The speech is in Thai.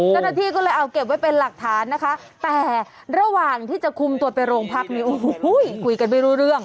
เจ้าหน้าที่ก็เลยเอาเก็บไว้เป็นหลักฐานนะคะแต่ระหว่างที่จะคุมตัวไปโรงพักนี้โอ้โหคุยกันไม่รู้เรื่อง